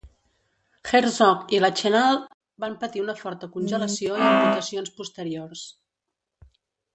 Herzog i Lachenal van patir una forta congelació i amputacions posteriors.